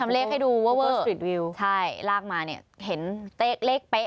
ทำเลขให้ดูเว้อใช่ลากมาเนี่ยเห็นเลขเป๊ะ